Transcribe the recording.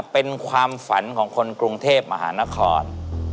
เป็นความฝันของคนกรุงเทพมหานคร